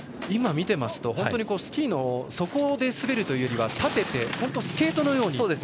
今見てますとスキーの底で滑るというよりは立ててスケートのように。